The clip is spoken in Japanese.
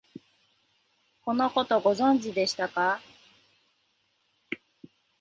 このこと、ご存知でしたか？